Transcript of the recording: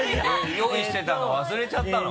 用意してたの忘れちゃったの？